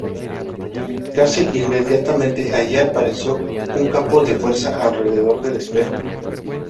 Casi inmediatamente allí apareció un campo de fuerza alrededor del espejo.